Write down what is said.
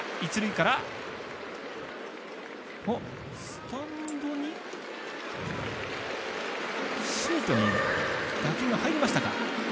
スタンドにシートに打球が入りましたか。